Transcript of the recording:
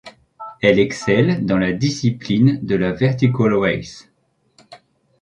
Elle excelle dans la discipline de la Vertical Race.